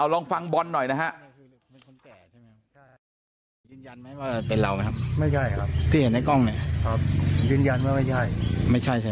ลองฟังบอลหน่อยนะฮะ